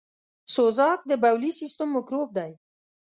سوزک دبولي سیستم میکروب دی .